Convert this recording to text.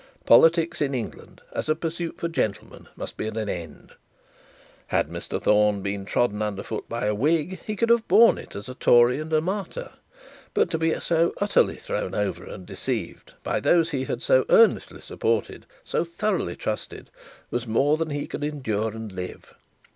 Politics in England, as a pursuit for gentlemen, must be at an end. Had Mr Thorne been trodden under foot by a Whig, he could have borne it as a Tory and a martyr; but to be so utterly thrown over and deceived by those he had so earnestly supported, so thoroughly trusted, was more than he could endure and live.